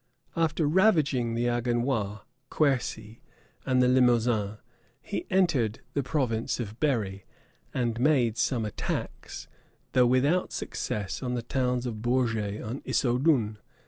After ravaging the Agenois, Quercy, and the Limousin, he entered the province of Berry; and made some attacks, though without success, on the towns of Bourges and Issoudun.